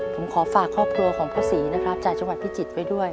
ผมขอฝากครอบครัวของพ่อศรีนะครับจากจังหวัดพิจิตรไปด้วย